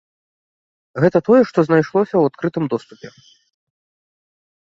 Гэта тое, што знайшлося ў адкрытым доступе.